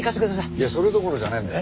いやそれどころじゃねえんだよ。